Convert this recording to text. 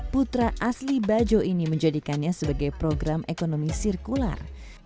putra asli bajo ini menjadikannya sebagai program ekonomi sirkular